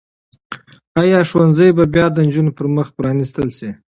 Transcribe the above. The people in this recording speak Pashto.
آیا ښوونځي به بیا د نجونو پر مخ پرانیستل شي؟